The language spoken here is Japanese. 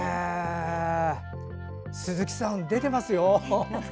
鈴木さん、出てますよ。